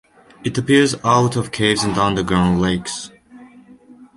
It appears out of caves and underground lakes.